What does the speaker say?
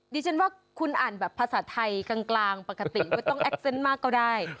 ดิฉันว่าคุณอ่านแบบภาษาไทยกลางกลางปกติไม่ต้องมากกก็ได้